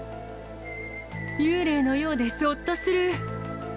幽霊のようでぞっとする。